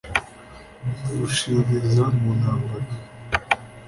Mvushiriza mu ntambara